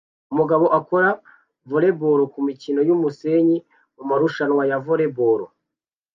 Umugabo akorera volleyball kumikino yumusenyi mumarushanwa ya volley ball